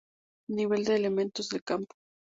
Nivel de elementos de campo.